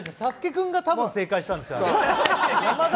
君が多分正解したんですよ。